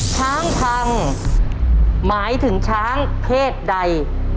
ช้างพังหมายถึงช้างเพศใด